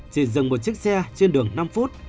chỉ dừng một chiếc xe trên đường năm phút